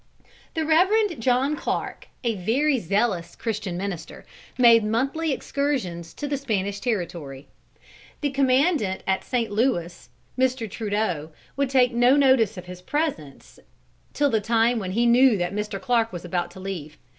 The Reverend John Clark, a very zealous Christian minister, made monthly excursions to the Spanish territory. The commandant at St. Louis, Mr. Trudeau, would take no notice of his presence till the time when he knew that Mr. Clark was about to leave.